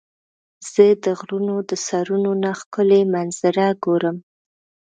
زه د غرونو د سرونو نه ښکلي منظره ګورم.